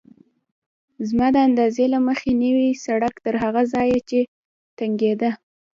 زما د اندازې له مخې نوی سړک تر هغه ځایه چې تنګېده.